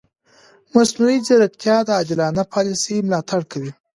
مصنوعي ځیرکتیا د عادلانه پالیسي ملاتړ کوي.